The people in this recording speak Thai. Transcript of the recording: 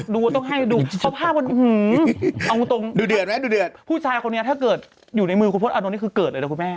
เออจริงเหรอหน้าตาหล่อว่างออกมากคุณพจน์คนนี้คือคุณแม่ถ้าเกิดอยู่ในมือคุณพจน์อันนนท์นี่คือเกิดเลยนะคุณแม่